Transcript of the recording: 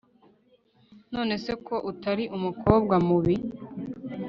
nonese ko utari umukobwa mubi